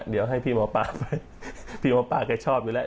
เดี๋ยวให้พี่หมอปลาไปพี่หมอปลาแกชอบอยู่แล้ว